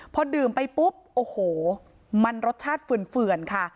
พอดื่มไปปุ๊บโอ้โหมันรสชาติเฝื่อนค่ะ